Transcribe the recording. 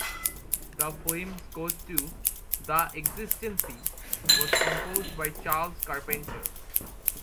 The film score to "The Exigency" was composed by Charles Carpenter.